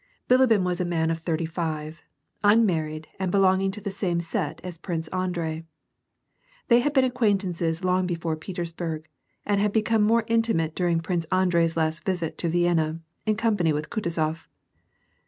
Bilibin was a man of thirty five, unmarried, and belonging to the same set as Prince Andrei. They had been acquaintances long before in Petersburg, and had become more intimate during Prince Andrei's last visit to Vienna, in company with Kutuzof.